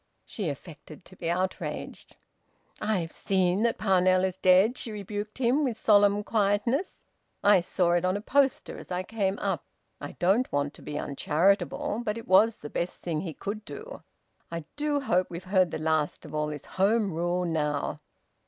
She affected to be outraged. "I've seen that Parnell is dead," she rebuked him, with solemn quietness. "I saw it on a poster as I came up. I don't want to be uncharitable, but it was the best thing he could do. I do hope we've heard the last of all this Home Rule now!"